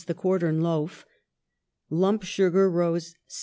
the quartern loaf; lump sugar cost 7d.